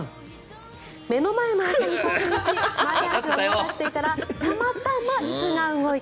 目の前の餌に興奮し前足を動かしていたらたまたま椅子が動いた。